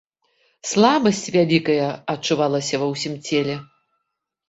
Слабасць вялікая адчувалася ва ўсім целе.